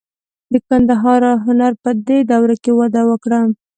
د ګندهارا هنر په دې دوره کې وده وکړه.